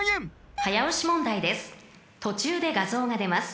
［早押し問題です